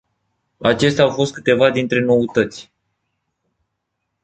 Acestea au fost câteva dintre noutăți.